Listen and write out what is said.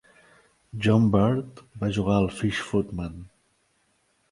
John Bird va jugar al Fish Footman.